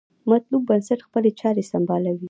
مطلوب بنسټ خپلې چارې سمبالوي.